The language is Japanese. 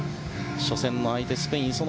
初戦の相手、スペイン。